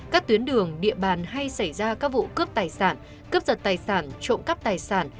các tuyến đường địa bàn hay xảy ra các vụ cướp tài sản cướp giật tài sản trộm cắp tài sản